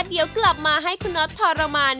เดี๋ยวกลับมาให้คุณน็อตทรมาน